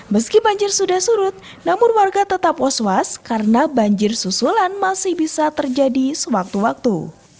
meski banjir sudah surut namun warga tetap os was karena banjir susulan masih bisa terjadi sewaktu waktu